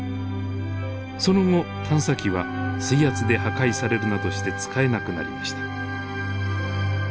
その後探査機は水圧で破壊されるなどして使えなくなりました。